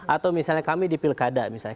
atau misalnya kami di pilkada misalnya